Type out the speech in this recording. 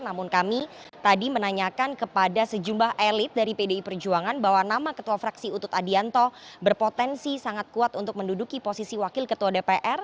namun kami tadi menanyakan kepada sejumlah elit dari pdi perjuangan bahwa nama ketua fraksi utut adianto berpotensi sangat kuat untuk menduduki posisi wakil ketua dpr